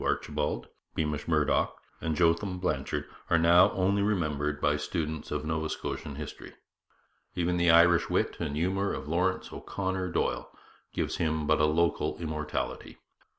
Archibald, Beamish Murdoch, and Jotham Blanchard are now only remembered by students of Nova Scotian history. Even the Irish wit and humour of Laurence O'Connor Doyle gives him but a local immortality.